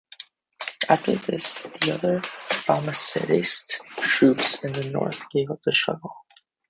After this the other Balmacedist troops in the north gave up the struggle.